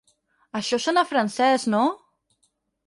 Això sona francès, no?